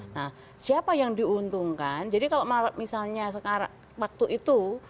nah siapa yang diuntungkan jadi kalau misalnya sekarang waktu itu